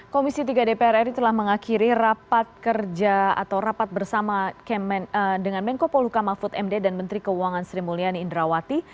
komisi tiga dpr ri telah mengakhiri rapat kerja atau rapat bersama dengan menko poluka mahfud md dan menteri keuangan sri mulyani indrawati